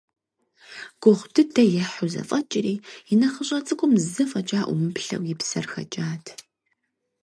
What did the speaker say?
Гугъу дыдэ ехьу зэфӀэкӀри, и нэхъыщӀэ цӀыкӀум зэ фӀэкӀа Ӏумыплъэу и псэр хэкӀат.